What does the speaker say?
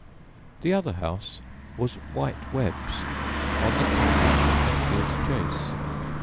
The other house was "White Webb's," on the confines of Enfield Chase.